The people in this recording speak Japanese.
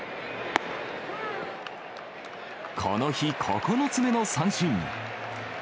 この日、９つ目の三振。